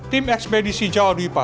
tim ekspedisi jawa duwipa